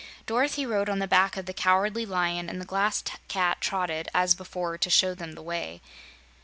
Dorothy rode on the back of the Cowardly Lion, and the Glass Cat trotted, as before, to show them the way.